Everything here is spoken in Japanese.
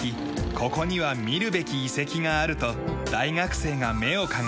ここには見るべき遺跡があると大学生が目を輝かせる。